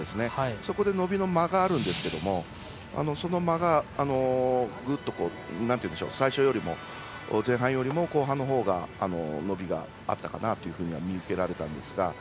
そこで、伸びの間があるんですがその間が、最初よりも前半よりも後半のほうが伸びがあったかなというふうに見受けられたんですが。